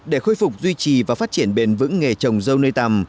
để khôi phục duy trì và phát triển bền vững nghề trồng dâu nuôi tầm